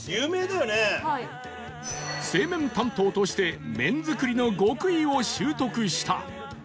製麺担当として麺づくりの極意を習得した